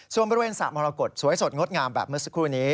ส่วนบริเวณสระมรกฏสวยสดงดงามแบบเมื่อสักครู่นี้